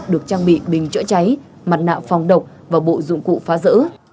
được trang bị bình chữa cháy mặt nạ phòng độc và bộ dụng cụ phá rỡ